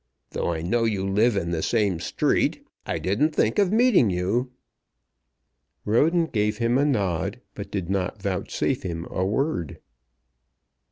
Though I know you live in the same street, I didn't think of meeting you." Roden gave him a nod, but did not vouchsafe him a word.